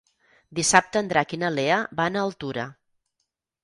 Dissabte en Drac i na Lea van a Altura.